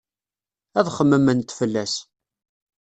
Ad xemmement fell-as.